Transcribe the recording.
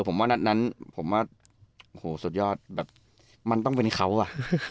ผมว่านัดนั้นผมว่าโอ้โหสุดยอดแบบมันต้องเป็นเขาอ่ะ